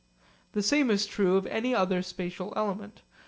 The same is true of any other spatial element.